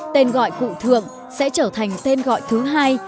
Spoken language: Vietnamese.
tên gọi cụ thượng sẽ trở thành tên gọi thứ hai